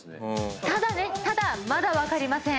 ただまだ分かりません。